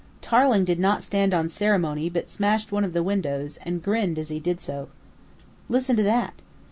Tarling did not stand on ceremony, but smashed one of the windows, and grinned as he did so. "Listen to that?"